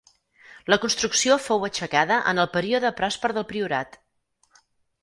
La construcció fou aixecada en el període pròsper del Priorat.